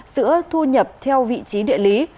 giữa thu nhập theo vị trí địa lý